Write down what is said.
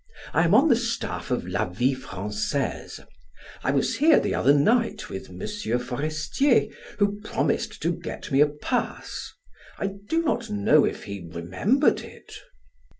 I am on the staff of 'La Vie Francaise.' I was here the other night with M. Forestier, who promised to get me a pass. I do not know if he remembered it."